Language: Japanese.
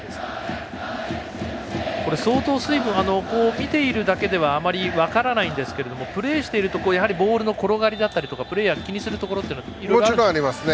これ相当水分見ているだけではあまり分からないんですがプレーしているとボールの転がりとかプレーヤーにとっていろいろあるんですか。